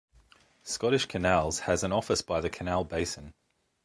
Scottish Canals has an office by the canal basin.